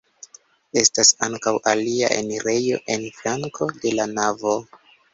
Estas ankaŭ alia enirejo en flanko de la navo.